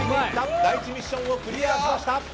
第１ミッションをクリアしました。